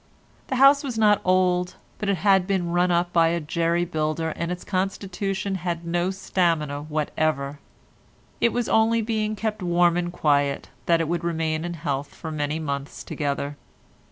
The house was not old, but it had been run up by a jerry builder and its constitution had no stamina whatever. It was only by being kept warm and quiet that it would remain in health for many months together.